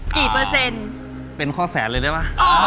เปอร์เซ็นต์เป็นข้อแสนเลยได้ป่ะ